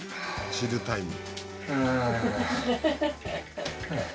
チルタイム。